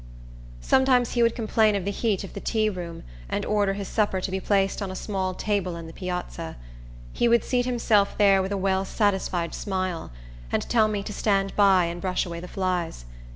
Sometimes he would complain of the heat of the tea room, and order his supper to be placed on a small table in the piazza. He would seat himself there with a well satisfied smile, and tell me to stand by and brush away the flies.